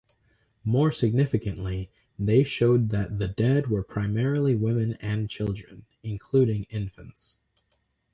More significantly, they showed that the dead were primarily women and children, including infants.